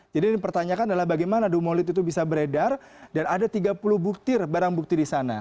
jadi pertanyaan adalah bagaimana dumolit itu bisa beredar dan ada tiga puluh bukti barang bukti di sana